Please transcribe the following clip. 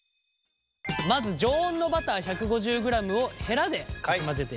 まず常温のバター１５０ｇをヘラでかき混ぜていきます。